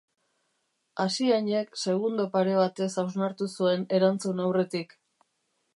Asiainek segundo pare batez hausnartu zuen erantzun aurretik.